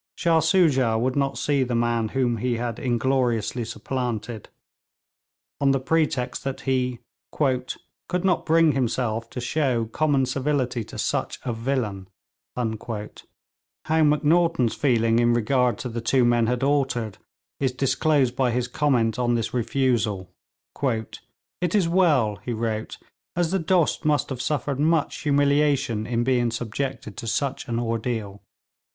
Shah Soojah would not see the man whom he had ingloriously supplanted, on the pretext that he 'could not bring himself to show common civility to such a villain.' How Macnaghten's feeling in regard to the two men had altered is disclosed by his comment on this refusal. 'It is well,' he wrote, 'as the Dost must have suffered much humiliation in being subjected to such an ordeal.'